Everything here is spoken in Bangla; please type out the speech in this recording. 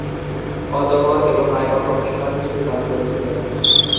অতঃপর এবং আয়কর কমিশনার হিসেবে কাজ করেছিলেন।